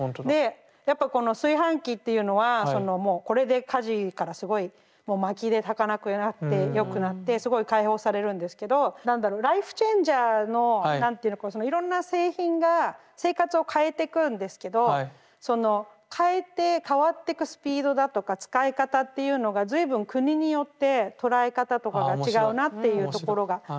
でやっぱこの炊飯器っていうのはそのもうこれで家事からすごいもうまきで炊かなくなってよくなってすごい解放されるんですけど何だろうライフ・チェンジャーの何ていうのかそのいろんな製品が生活を変えていくんですけどその変えて変わってくスピードだとか使い方っていうのが随分国によって捉え方とかが違うなっていうところが。